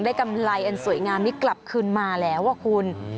กำไรอันสวยงามนี่กลับคืนมาแล้วคุณ